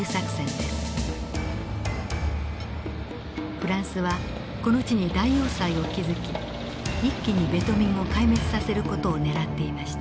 フランスはこの地に大要塞を築き一気にベトミンを壊滅させる事をねらっていました。